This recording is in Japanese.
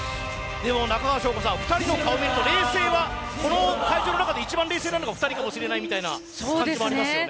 中川翔子さん、２人の顔を見るとこの会場の中で一番冷静なのは２人なのかもしれないみたいな感じもありますね。